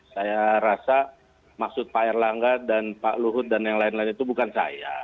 saya rasa maksud pak erlangga dan pak luhut dan yang lain lain itu bukan saya